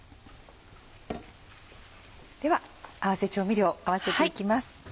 では合わせ調味料合わせていきます。